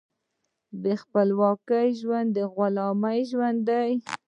بې خپلواکۍ ژوند د غلامۍ ژوند دی.